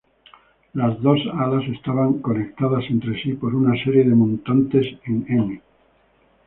Las dos alas estaban conectadas entre sí por una serie de montantes en 'N'.